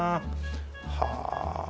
はあ。